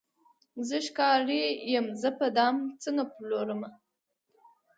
زه ښکاري یم زه به دام څنګه پلورمه